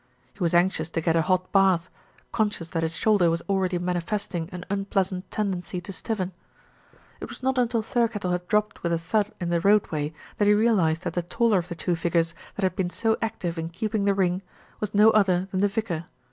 He was anxious to get a hot bath, conscious that his shoulder was already manifesting an unpleasant tend ency to stiffen. It was not until Thirkettle had dropped with a thud in the roadway that he realised that the taller of the two figures that had been so active in keeping the ring, was no other than the vicar.